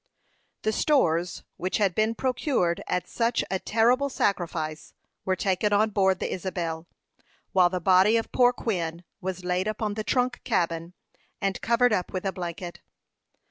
The stores, which had been procured at such a terrible sacrifice, were taken on board the Isabel, while the body of poor Quin was laid upon the trunk cabin, and covered up with a blanket.